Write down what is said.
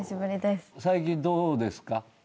最近どうですか？